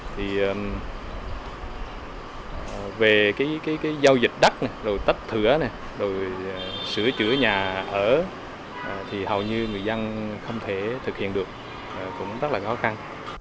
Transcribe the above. thì về cái giao dịch đất này rồi tách thửa này rồi sửa chữa nhà ở thì hầu như người dân không thể thực hiện được cũng rất là khó khăn